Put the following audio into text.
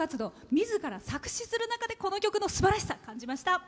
みずから作詞する中でこの曲のすばらしさを感じました。